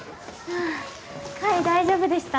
海大丈夫でした？